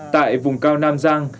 tại vùng cao nam giang